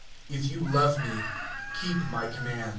(15)If ye love me, keep my commandments.